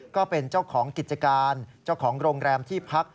ก็เป็นเจ้าของกิจการเจ้าของโรงแรมที่พัก